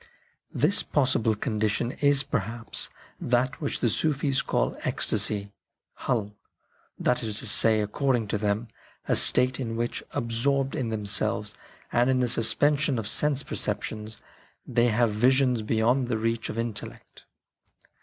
This possible condition is, perhaps, that which 2 18 HIS ESCAPE FROM DOUBT the Sufis call " ecstasy "(" hal "), that is to say, according to them, a state in which, absorbed in themselves and in the suspension of sense percep tions, they have visions beyond the reach of intellect.